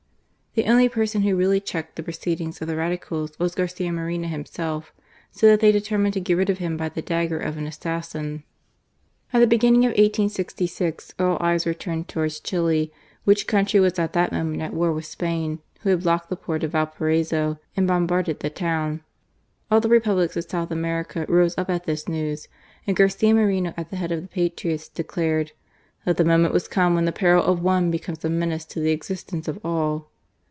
The only person who really checked the pro THE ASSASSIN VITERI, 173 ceedings of the Radicals was Garcia Moreno himself, so that they determined to get rid of him by the dagger of an assassin. At the beginning of 1866, all eyes were turned towards Chili, which country was at that moment at war with Spain, who had blocked the port of Valparaiso and bombarded the town. All the Republics of South America rose up at this news ; and Garcia Moreno at the head of the patriots, declared "that the moment was come when the peril of one became a menace to the existence of all."